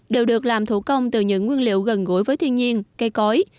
đều được làm thủ công từ những nguyên liệu gần gũi với thiên nhiên cây cối